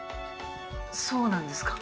そうなんですか。